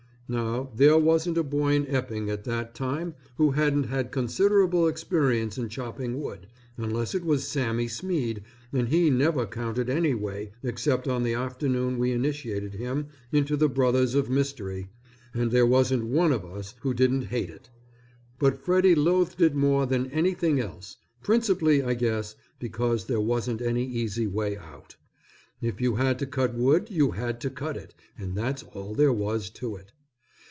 Now there wasn't a boy in Epping at that time who hadn't had considerable experience in chopping wood, unless it was Sammy Smead and he never counted anyway except on the afternoon we initiated him into the Brothers of Mystery, and there wasn't one of us who didn't hate it; but Freddy loathed it more than anything else, principally I guess, because there wasn't any easy way out. If you had to cut wood you had to cut it, and that's all there was to it.